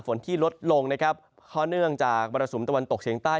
ฝนที่ลดลงนะครับเพราะเนื่องจากมรสุมตะวันตกเฉียงใต้